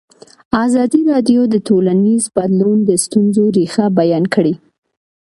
ازادي راډیو د ټولنیز بدلون د ستونزو رېښه بیان کړې.